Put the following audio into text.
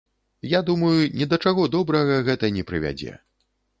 Я думаю, ні да чаго добрага гэта не прывядзе.